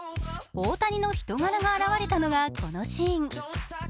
大谷の人柄が表れたのが、このシーン。